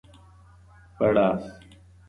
بړاس